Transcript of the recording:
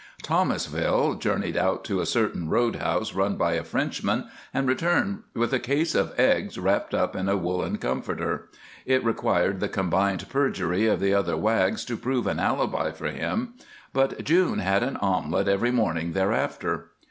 Thomasville journeyed out to a certain roadhouse run by a Frenchman, and returned with a case of eggs wrapped up in a woolen comforter. It required the combined perjury of the other Wags to prove an alibi for him, but June had an omelet every morning thereafter.